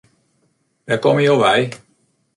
Wêr komme jo wei?